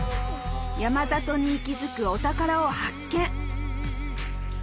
山里に息づくお宝を発見！